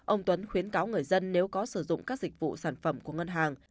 ông tuấn khuyến cáo người dân nếu có sử dụng các dịch vụ sản phẩm của ngân hàng